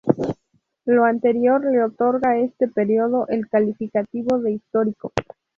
Lo anterior le otorga a este periodo el calificativo de histórico.